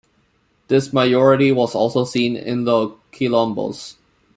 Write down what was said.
This majority was also seen in the quilombos.